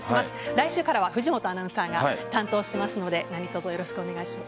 来週からは藤本アナウンサーが担当しますので何卒よろしくお願いします。